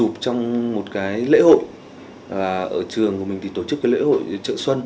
ba cái cá cơ